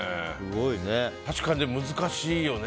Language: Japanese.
確かに難しいよね。